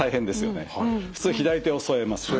普通左手を添えます。